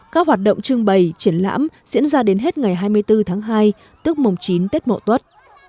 các hoạt động trưng bày triển lãm diễn ra đến hết ngày hai mươi bốn tháng hai tức mùng chín tết mộ tuất